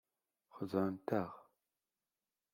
Xedɛent-aɣ.